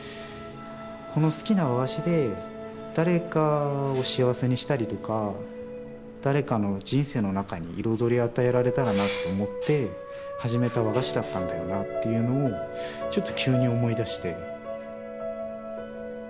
この好きな和菓子で誰かを幸せにしたりとか誰かの人生の中に彩りを与えられたらなって思って始めた和菓子だったんだよなというのをちょっと急に思い出して。